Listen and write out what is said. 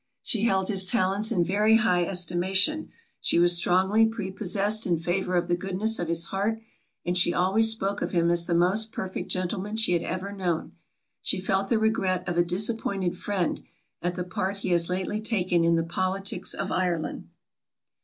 She held his talents in very high estimation; she was strongly prepossessed in favour of the goodness of his heart; and she always spoke of him as the most perfect gentleman she had ever known. She felt the regret of a disappointed friend, at the part he has lately taken in the politics of Ireland.